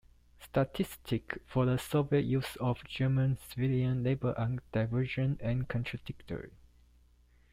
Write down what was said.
Statistics for the Soviet use of German civilian labor are divergent and contradictory.